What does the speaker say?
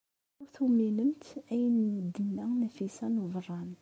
Ur tuminemt ayen ay d-tenna Nafisa n Ubeṛṛan.